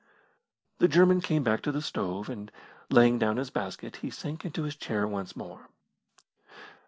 The German came back to the stove, and, laying down his basket, he sank into his chair once more.